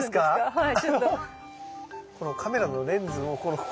はい！